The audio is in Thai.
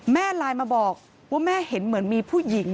แม่ไลน์มาบอกว่าแม่เห็นเหมือนมีผู้หญิง